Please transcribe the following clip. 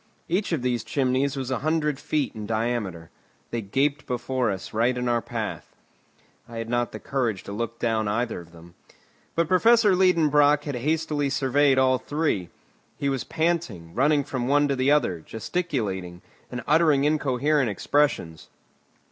Each of these chimneys was a hundred feet in diameter. They gaped before us right in our path. I had not the courage to look down either of them. But Professor Liedenbrock had hastily surveyed all three; he was panting, running from one to the other, gesticulating, and uttering incoherent expressions.